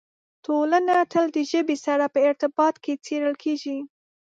ټولنه تل د ژبې سره په ارتباط کې څېړل کېږي.